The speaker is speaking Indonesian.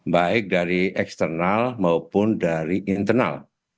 baik dari eksternal maupun dari internal